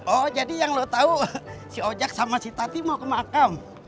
oh jadi yang lo tau si ojak sama si tati mau kemakam